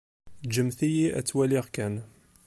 Ǧǧemt-iyi ad t-waliɣ kan.